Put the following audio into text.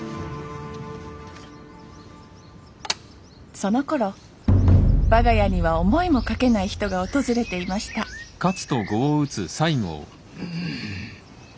そのころ我が家には思いもかけない人が訪れていましたうん。